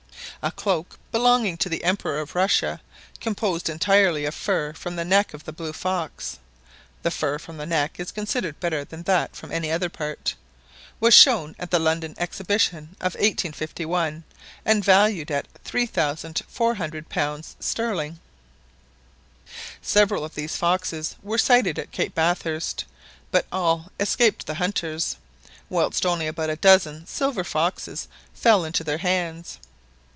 A cloak belonging to the Emperor of Russia, composed entirely of fur from the neck of the blue fox (the fur from the neck is considered better than that from any other part), was shown at the London Exhibition of 1851, and valued at £3400 sterling. Several of these foxes were sighted at Cape Bathurst, but all escaped the hunters; whilst only about a dozen silver foxes fell into their hands.